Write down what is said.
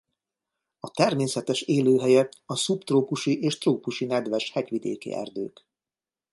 A természetes élőhelye a szubtrópusi és trópusi nedves hegyvidéki erdők.